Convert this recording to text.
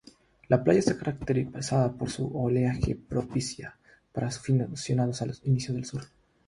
La playa está caracterizada por su oleaje propicia para aficionados iniciados al surf.